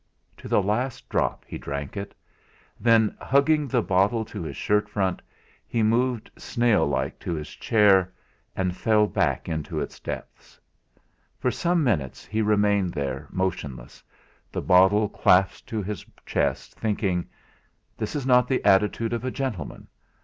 To the last drop he drank it, then hugging the bottle to his shirt front, he moved snail like to his chair, and fell back into its depths. For some minutes he remained there motionless, the bottle clasped to his chest, thinking: 'This is not the attitude of a gentleman.